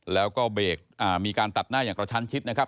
แล้วก็เบรกมีการตัดหน้าอย่างกระชั้นชิดนะครับ